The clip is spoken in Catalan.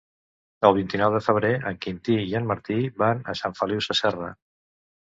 El vint-i-nou de febrer en Quintí i en Martí van a Sant Feliu Sasserra.